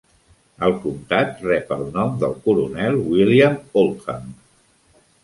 El comtat rep el nom del coronel William Oldham.